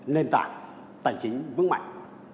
nền tảng tài chính vững mạnh